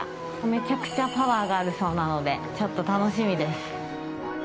めちゃくちゃパワーがあるそうなので、ちょっと楽しみです。